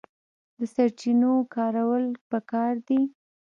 د سرچینو کارول پکار دي